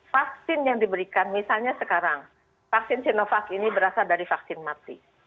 vaksin yang diberikan misalnya sekarang vaksin sinovac ini berasal dari vaksin mati